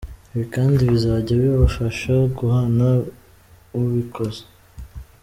Ibi kandi bizajya bifasha guhana ubikoze.